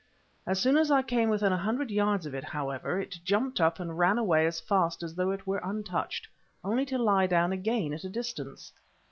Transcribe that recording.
As soon as I came within a hundred yards of it, however, it jumped up and ran away as fast as though it were untouched, only to lie down again at a distance.